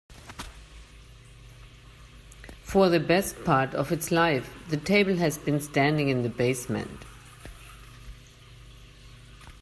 For the best part of its life, the table has been standing in the basement.